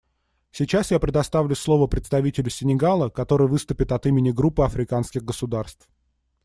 Сейчас я предоставляю слово представителю Сенегала, который выступит от имени Группы африканских государств.